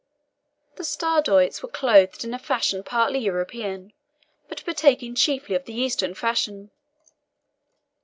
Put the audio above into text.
These Stradiots were clothed in a fashion partly European, but partaking chiefly of the Eastern fashion.